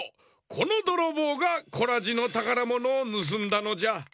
このどろぼうがコラジのたからものをぬすんだのじゃ。